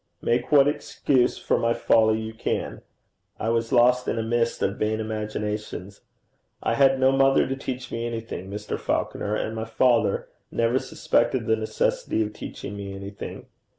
Make what excuse for my folly you can. I was lost in a mist of vain imaginations. I had had no mother to teach me anything, Mr. Falconer, and my father never suspected the necessity of teaching me anything.